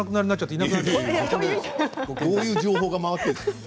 いえいえ、どういう情報が回っているんですか？